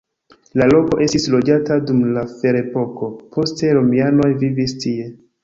La loko estis loĝata dum la ferepoko, poste romianoj vivis tie.